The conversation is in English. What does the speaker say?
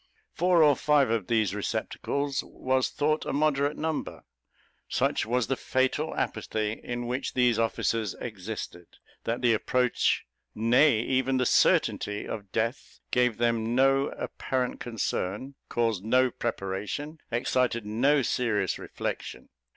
Four or five of these receptacles was thought a moderate number. Such was the fatal apathy in which these officers existed, that the approach, nay; even the certainty of death, gave them no apparent concern, caused no preparation, excited no serious reflection.